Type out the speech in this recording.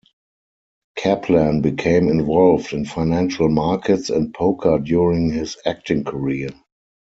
Kaplan became involved in financial markets and poker during his acting career.